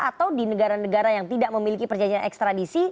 atau di negara negara yang tidak memiliki perjanjian ekstradisi